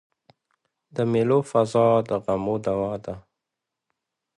د مېلو فضا د غمو دوا ده.